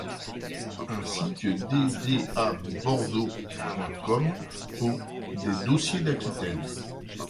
Ainsi que ddabordeaux.com pour les Dossiers d'Aquitaine.